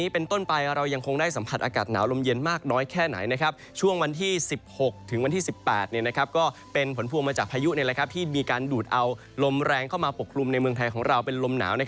เป็นผลพวงมาจากพายุที่มีการดูดเอาลมแรงเข้ามาปกคลุมในเมืองไทยของเราเป็นลมหนาว